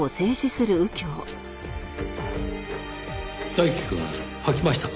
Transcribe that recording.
大樹くん吐きましたか。